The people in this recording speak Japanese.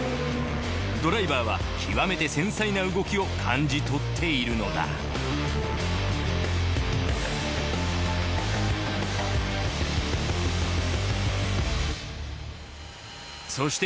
ドライバーは極めて繊細な動きを感じ取っているのだそして